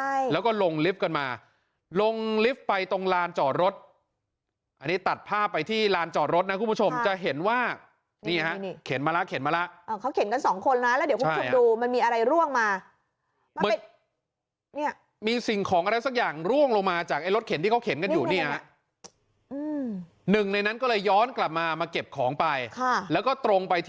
ใช่แล้วก็ลงลิฟต์กันมาลงลิฟต์ไปตรงลานจอดรถอันนี้ตัดภาพไปที่ลานจอดรถนะคุณผู้ชมจะเห็นว่านี่ฮะนี่เข็นมาแล้วเข็นมาแล้วเออเขาเข็นกันสองคนนะแล้วเดี๋ยวคุณผู้ชมดูมันมีอะไรร่วงมาเนี่ยมีสิ่งของอะไรสักอย่างร่วงลงมาจากไอ้รถเข็นที่เขาเข็นกันอยู่นี่ฮะอืมหนึ่งในนั้นก็เลยย้อนกลับมามาเก็บของไปค่ะแล้วก็ตรงไปที่